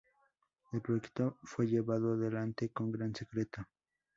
El proyecto fue llevado adelante con gran secreto.